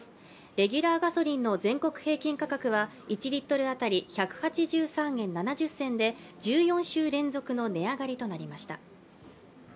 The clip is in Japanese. レギュラーガソリンの全国平均価格は１リットル当たり１８３円７０銭で１４週連続の値上がりとなりました。